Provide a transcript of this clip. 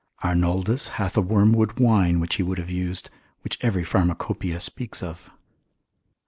Arnoldus hath a wormwood wine which he would have used, which every pharmacopoeia speaks of.